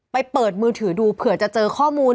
เปิดมือถือดูเผื่อจะเจอข้อมูล